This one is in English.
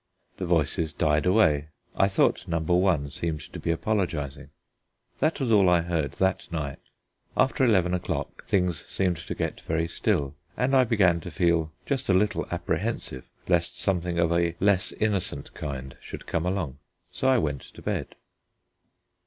The voices died away; I thought Number one seemed to be apologizing. That was all I heard that night. After eleven o'clock things seemed to get very still, and I began to feel just a little apprehensive lest something of a less innocent kind should come along. So I went to bed.